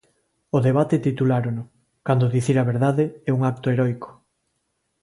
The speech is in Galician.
O debate titulárano: Cando dicir a verdade é un acto heroico.